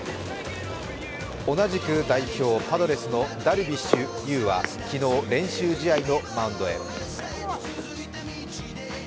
同じく代表、パドレスのダルビッシュ有は昨日、練習試合のマウンドへ。